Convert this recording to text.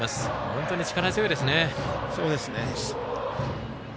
本当に力強いですね。